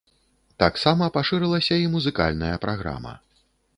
Таксама пашырылася і музыкальная праграма.